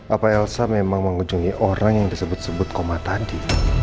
apa elsa memang mengunjungi orang yang disebut sebut koma tadi